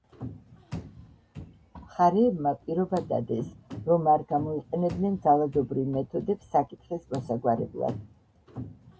მხარეებმა პირობა დადეს, რომ არ გამოიყენებდნენ ძალადობრივ მეთოდებს საკითხის მოსაგვარებლად.